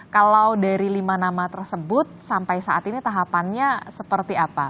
kalau dari lima nama tersebut sampai saat ini tahapannya seperti apa